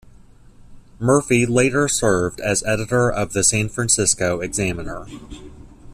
Murphy later served as editor of the "San Francisco Examiner".